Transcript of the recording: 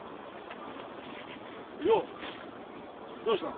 ようどうしたの？